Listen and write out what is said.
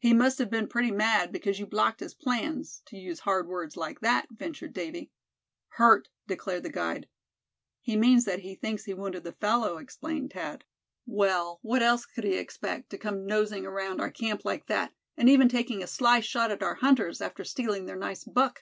"He must have been pretty mad because you blocked his plans, to use hard words like that," ventured Davy. "Hurt!" declared the guide. "He means that he thinks he wounded the fellow," explained Thad. "Well, what else could he expect, to come nosing around our camp like that, and even taking a sly shot at our hunters, after stealing their nice buck?"